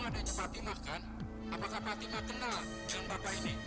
ada yang fatimah kan apakah fatimah kenal dengan bapak ini